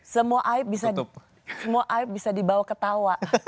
semua aib bisa dibawa ketawa